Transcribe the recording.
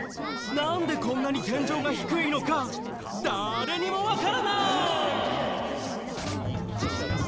なんでこんなに天井が低いのかだれにもわからない！